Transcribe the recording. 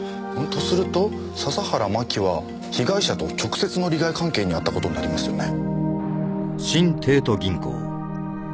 とすると笹原真紀は被害者と直接の利害関係にあった事になりますよね。